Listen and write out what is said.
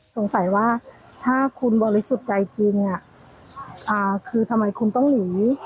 สงสัยว่าถ้าคุณบริสุทธิ์ใจจริงคือทำไมคุณต้องหนี